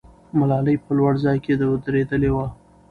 ملالۍ په لوړ ځای کې ودرېدلې وه.